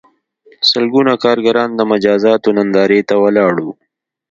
سلګونه کارګران د مجازاتو نندارې ته ولاړ وو